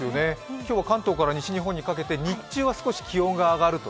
今日は関東から西日本にかけて日中は少し気温が上がると。